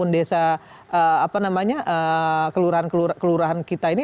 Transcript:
di kelurahan ataupun desa kelurahan kita ini